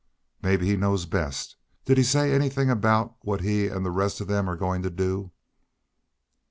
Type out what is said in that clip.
"Maybe he knows best. Did he say anythin' about what he an' the rest of them are goin' to do?"